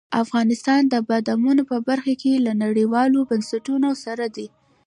افغانستان د بادامو په برخه کې له نړیوالو بنسټونو سره دی.